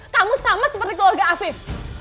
kamu sama seperti keluarga afif